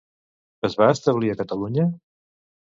Es va establir a Catalunya?